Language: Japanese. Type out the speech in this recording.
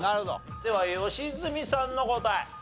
では良純さんの答え。